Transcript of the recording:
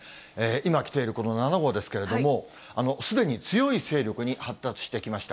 今来ているこの７号ですけれども、すでに強い勢力に発達してきました。